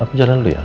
apa jalan dulu ya